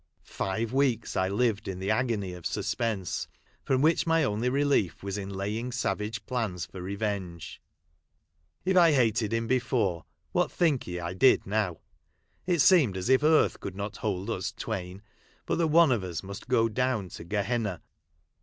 Five Aveeks I lived in the agony of suspense ; from which my only relief Avas in laying savage plans for revenge. If I hated him before, what think ye 1 did now ? It seemed as if earth could not hold us twain, but that one of us must go down to Gehenna.